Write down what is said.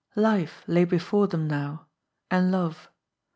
Life lay before them now and love.